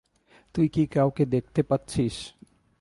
তুই কি কাউকে দেখতে পাচ্ছিস?